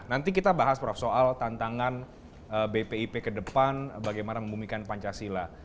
nanti kita bahas prof soal tantangan bpip ke depan bagaimana membumikan pancasila